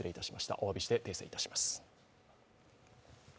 おわびして訂正いたします。